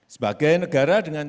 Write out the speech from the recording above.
sebagai negara dengan